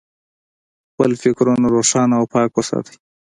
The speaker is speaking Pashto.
خپل فکرونه روښانه او پاک وساتئ.